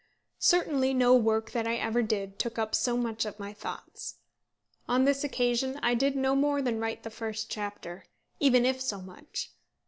Certainly no work that I ever did took up so much of my thoughts. On this occasion I did no more than write the first chapter, even if so much.